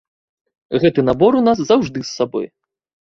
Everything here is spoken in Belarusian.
Гэты набор у нас заўжды з сабой!